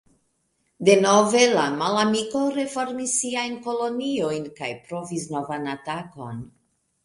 Denove, la malamiko reformis siajn kolonojn kaj provis novan atakon.